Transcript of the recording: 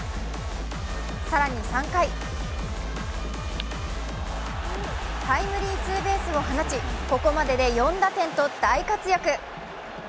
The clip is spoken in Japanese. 更に３回タイムリーツーベースを放ちここまで４打点と大活躍。